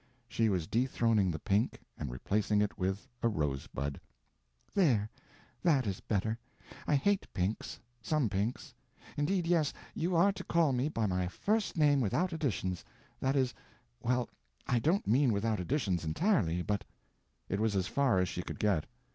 She was dethroning the pink and replacing it with a rosebud. "There—that is better. I hate pinks—some pinks. Indeed yes, you are to call me by my first name without additions—that is,—well, I don't mean without additions entirely, but—" It was as far as she could get.